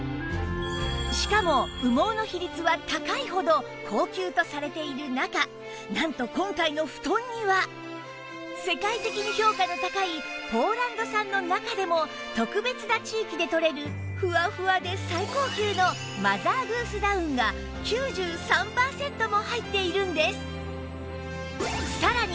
しかも羽毛の比率は高いほど高級とされている中なんと今回の布団には世界的に評価の高いポーランド産の中でも特別な地域でとれるフワフワで最高級のマザーグースダウンが９３パーセントも入っているんです